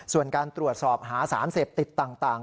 ส่วนการตรวจสอบหาสารเสพติดต่าง